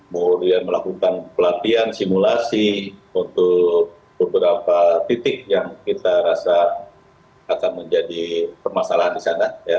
kemudian melakukan pelatihan simulasi untuk beberapa titik yang kita rasa akan menjadi permasalahan di sana